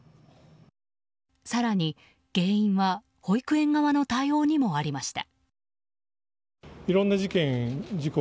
更に、原因は保育園側の対応にもありました。